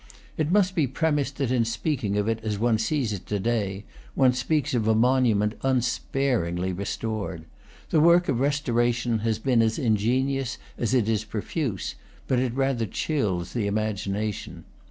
It must be pre mised that in speaking of it as one sees it to day, one speaks of a monument unsparingly restored. The work of restoration has been as ingenious as it is pro fuse, but it rather chills the imagination.